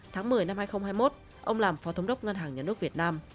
tháng một mươi năm hai nghìn hai mươi một ông làm phó thống đốc ngân hàng nhà nước việt nam